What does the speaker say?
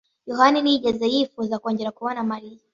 Yohani ntiyigeze yifuza kongera kubona Mariya.